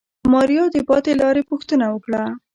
ماريا د پاتې لارې پوښتنه وکړه.